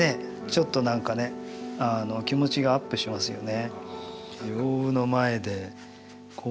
ちょっとなんかね気持ちがアップしますよね。